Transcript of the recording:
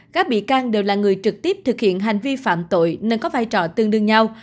các bị can đều là người trực tiếp thực hiện hành vi phạm tội nên có vai trò tương đương nhau